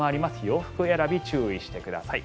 洋服選び注意してください。